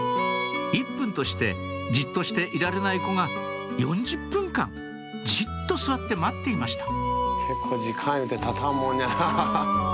１分としてじっとしていられない子が４０分間じっと座って待っていました